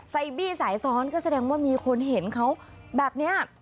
ไซบี้สายซ้อนก็แสดงว่ามีคนเห็นเขาแบบนี้